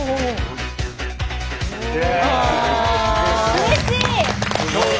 うれしい！